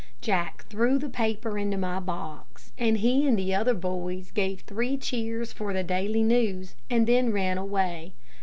'" Jack threw the paper into my box, and he and the other boys gave three cheers for the 'Daily News' and then ran away.